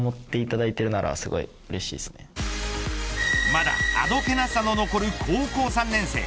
まだあどけなさの残る高校３年生。